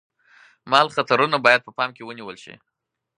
مال خطرونه باید په پام کې ونیول شي.